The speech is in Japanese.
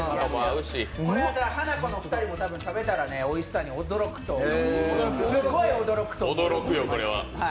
ハナコの２人も食べたらおいしさに驚くと思う。